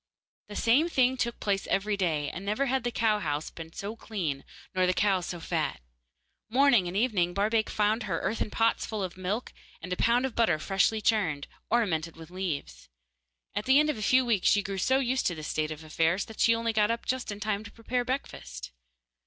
The same thing took place every day, and never had the cow house been so clean nor the cows so fat. Morning and evening Barbaik found her earthen pots full of milk and a pound of butter freshly churned, ornamented with leaves. At the end of a few weeks she grew so used to this state of affairs that she only got up just in time to prepare breakfast.